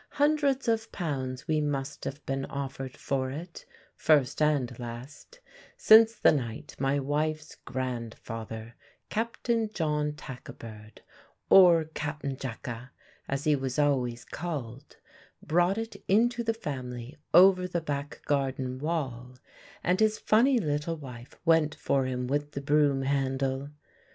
Hundreds of pounds we must have been offered for it, first and last, since the night my wife's grandfather, Captain John Tackabird or Cap'n Jacka, as he was always called brought it into the family over the back garden wall, and his funny little wife went for him with the broom handle.